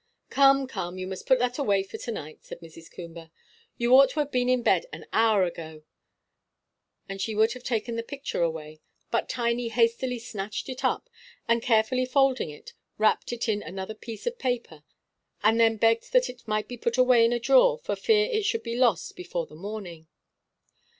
"Come, come, you must put that away for to night," said Mrs. Coomber; "you ought to have been in bed an hour ago;" and she would have taken the picture away, but Tiny hastily snatched it up, and, carefully folding it, wrapped it in another piece of paper, and then begged that it might be put away in a drawer for fear it should be lost before the morning.